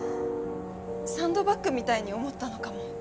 サンドバッグみたいに思ったのかも。